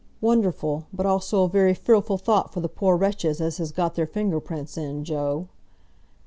"Wonderful, but also a very fearful thought for the poor wretches as has got their finger prints in, Joe."